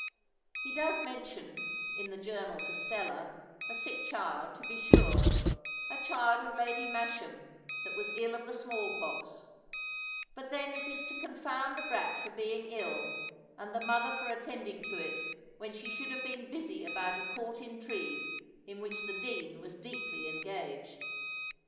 He does mention, in the Journal to Stella, a sick child, to be sure — a child of Lady ]\rasham, that was ill of the smallpox — but then it is to confound the brat for being ill and the mother for attending to it when she should have been busy about a court intrigue, in which the Dean was deeply engaged.